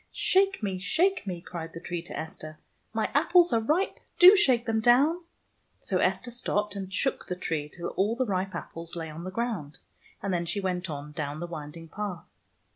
" Shake me! Shake me! " cried the tree to Esther. " My apples are ripe. Do shake them down !" So Esther stopped and shook the tree till all the ripe apples lay on the ground, and then she went on down the winding path.